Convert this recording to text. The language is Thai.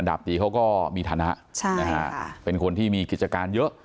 ดาบตีเขาก็มีฐานะเป็นคนที่มีกิจการเยอะ